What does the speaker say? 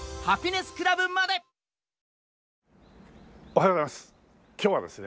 おはようございます。